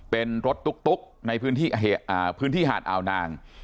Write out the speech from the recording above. เป็นรถตุ๊กในพื้นที่หาดอาวนาง